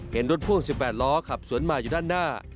เห็นรถพ่วง๑๘ล้อขับสวนมาอยู่ด้านหน้า